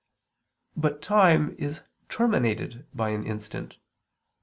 But time is terminated by an instant.